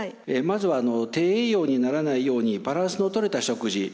まずは低栄養にならないようにバランスの取れた食事